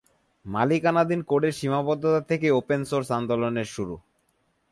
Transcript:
মালিকানাধীন কোডের সীমাবদ্ধতা থেকেই ওপেন সোর্স আন্দোলনের শুরু।